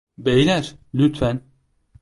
Beyler, lütfen!